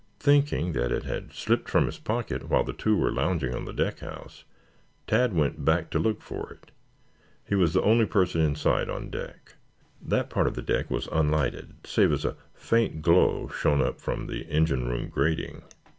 Thinking that it had slipped from his pocket while the two were lounging on the deck house, Tad went back to look for it. He was the only person in sight on deck. That part of the deck was unlighted, save as a faint glow shone up through the engine room grating.